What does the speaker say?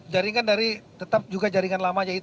jaringan dari tetap juga jaringan lama aja